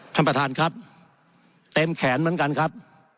ท่านประธานครับเต็มแขนเหมือนกันครับ